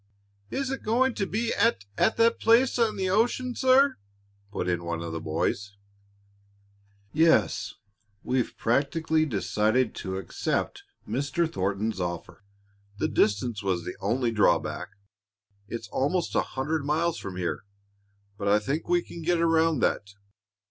"Is it going to be at at that place on the ocean, sir?" put in one of the boys. "Yes; we've practically decided to accept Mr. Thornton's offer. The distance was the only drawback; it's almost a hundred miles from here, but I think we can get around that.